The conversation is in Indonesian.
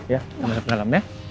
ya kamu masuk ke dalam ya